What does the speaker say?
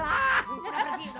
oh lu ke syantan kri